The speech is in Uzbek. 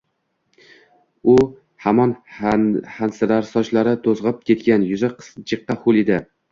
U hamon hansirar, sochlari to‘zg‘ib ketgan, yuzi jiqqa ho‘l edi.